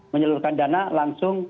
menyeluruhkan dana langsung